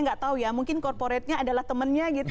saya tidak tahu bahwa mungkin korporatnya adalah temannya gitu